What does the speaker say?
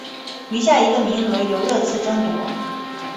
余下一个名额由热刺争夺。